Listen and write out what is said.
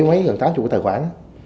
bảy mấy gần tám mươi cái tài khoản